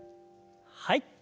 はい。